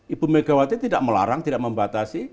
ibu megawati tidak melarang tidak membatasi